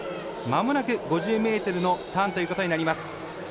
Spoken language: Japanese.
まもなく５０ｍのターンということになります。